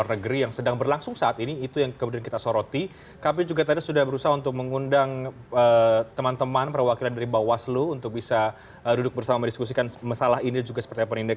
prime news akan segera kembali setelah ini